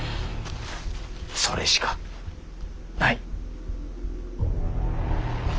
それしかない。